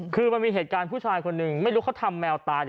คือมันมีเหตุการณ์ผู้ชายคนหนึ่งไม่รู้เขาทำแมวตาย